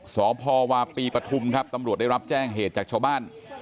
สพวาปีปฐุมครับตำรวจได้รับแจ้งเหตุจากชาวบ้าน